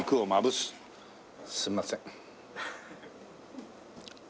すみません。